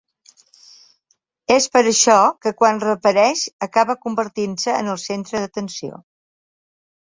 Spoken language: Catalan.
És per això que quan reapareix, acaba convertint-se en el centre d’atenció.